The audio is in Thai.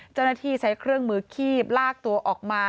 เจ้าหน้าที่ใช้เครื่องมือคีบลากตัวออกมา